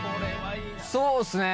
そうっすね。